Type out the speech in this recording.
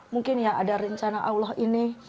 mungkin ya ada rencana allah ini